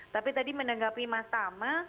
tapi tadi menanggapi mas tama